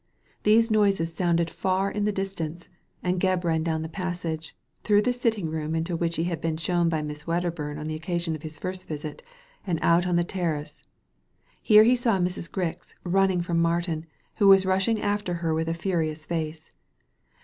These noises sounded far in the distance, and Gebb ran down the passage, through the sitting room into which he had been shown by Miss Wedderbum on the occasion of his first visit, and on to the terrace. Here he saw Mrs. Grix running from Martin, who was rushing after her with a furious face.